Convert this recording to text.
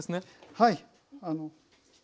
はい。